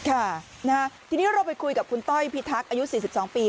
ค่ะนะฮะทีนี้เราไปคุยกับคุณต้อยพี่ทักอายุสี่สิบสองปี